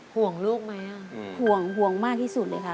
ห่วงลูกไหมห่วงห่วงมากที่สุดเลยค่ะ